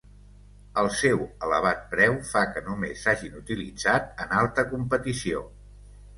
El seu elevat preu fa que només s'hagin utilitzat en alta competició.